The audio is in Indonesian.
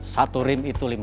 satu rim itu lima